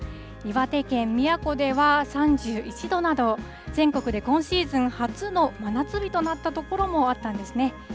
岩手県宮古では３１度など、全国で今シーズン初の真夏日となった所もあったんですね。